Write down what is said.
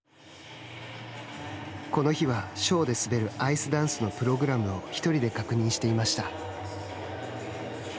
この日は、ショーで滑るアイスダンスのプログラムを１人で確認していました。